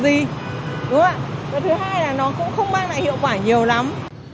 và thứ hai là nó cũng không mang lại hiệu quả nhiều lắm